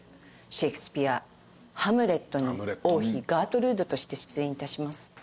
『ハムレット』に王妃ガートルードとして出演いたします。